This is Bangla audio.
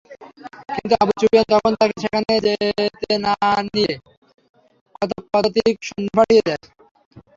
কিন্তু আবু সুফিয়ান তখন তাকে সেখানে যেতে না দিয়ে কতক পদাতিক সৈন্য পাঠিয়ে দেয়।